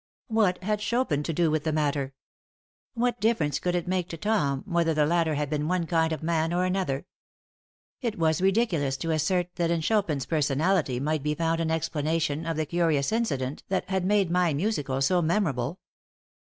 What had Chopin to do with the matter? What difference could it make to Tom whether the latter had been one kind of man or another? It was ridiculous to assert that in Chopin's personality might be found an explanation of the curious incident that had made my musical so memorable.